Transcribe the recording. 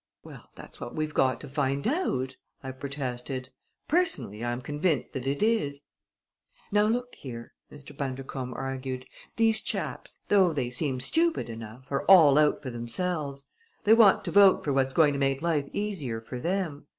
"Well, that's what we've got to find out!" I protested. "Personally, I am convinced that it is." "Now look here!" Mr. Bundercombe argued; "these chaps, though they seem stupid enough, are all out for themselves. They want to vote for what's going to make life easier for them.